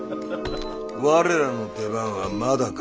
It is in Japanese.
我らの出番はまだか？